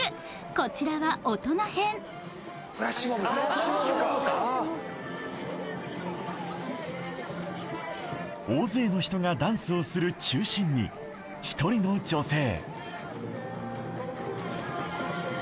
こちらは大人編大勢の人がダンスをする中心に１人の女性